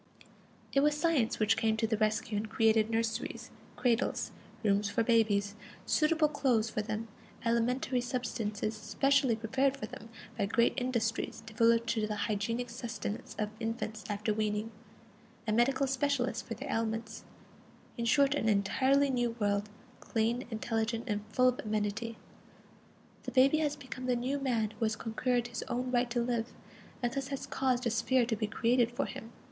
It was Science which came to the rescue and created nurseries, cradles, rooms for babies, suitable clothes for them, alimentary substances specially prepared for them by great industries devoted to the hygienic sustenance of infants after weaning, and medical specialists for their ailments; in short, an entirely new world, clean, intelligent, and full of amenity. The baby has become the new man who has conquered his own right to live, and thus has caused a sphere to be created for him.